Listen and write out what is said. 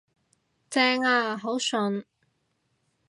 正呀，好順